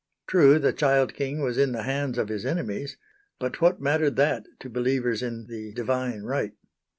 True the child king was in the hands of his enemies; but what mattered that to believers in the "Divine Right."